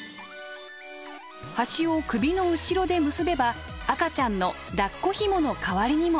端を首の後ろで結べば赤ちゃんのだっこひもの代わりにも。